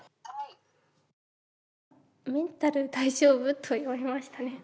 「メンタル大丈夫？」とは言われましたね。